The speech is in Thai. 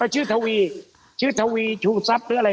ชื่อทะวีชูทรัพย์เข้าไปด้วยอะไร